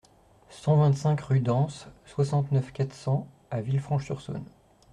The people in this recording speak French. cent vingt-cinq rue d'Anse, soixante-neuf, quatre cents à Villefranche-sur-Saône